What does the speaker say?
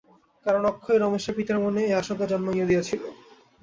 কারণ অক্ষয়ই রমেশের পিতার মনে এই আশঙ্কা জন্মাইয়া দিয়াছিল।